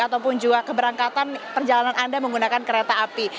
ataupun juga keberangkatan perjalanan anda menggunakan kereta api